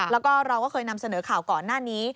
แล้วก็เราก็เคยนำเสนอข่าวก่อนหน้านี้